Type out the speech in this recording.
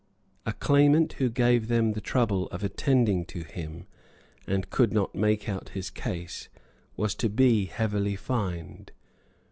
A claimant who gave them the trouble of attending to him, and could not make out his case, was to be heavily fined.